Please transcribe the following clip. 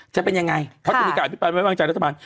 จะเป็นยังไงเขาจะมีการอภิปรายไว้วางใจรัฐบาล